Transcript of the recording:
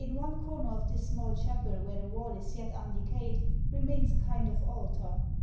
In one corner of this small chapel where the wall is yet undecayed, remains a kind of altar.